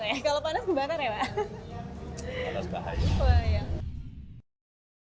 oke kalau panas gue batar ya pak